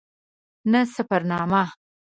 نه سفرنامه.